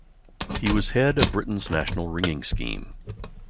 He was head of Britain's National Ringing Scheme.